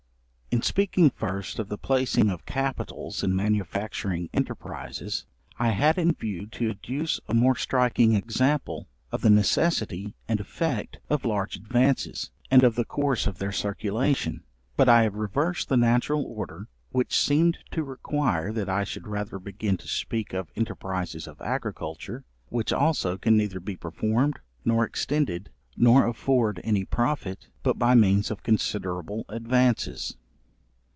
In speaking first of the placing of capitals in manufacturing enterprizes, I had in view to adduce a more striking example, of the necessity and effect of large advances, and of the course of their circulation. But I have reversed the natural order, which seemed to require that I should rather begin to speak of enterprizes of agriculture, which also can neither be performed, nor extended, nor afford any profit, but by means of considerable advances.